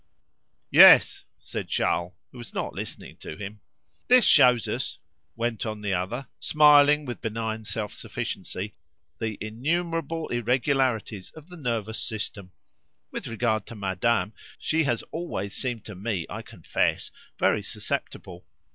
"Yes," said Charles, who was not listening to him. "This shows us," went on the other, smiling with benign self sufficiency, "the innumerable irregularities of the nervous system. With regard to madame, she has always seemed to me, I confess, very susceptible.